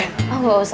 oh nggak usah ustaz